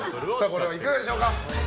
いかがでしょうか。